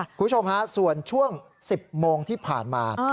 คุณผู้ชมฮะส่วนช่วง๑๐โมงที่ผ่านมา